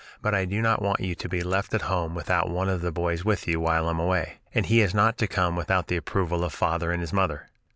But I do not want you to be left at home without one of the boys with you, while I am away, and he is not to come without the approval of father and his mother.